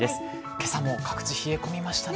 今朝も各地、冷え込みましたね。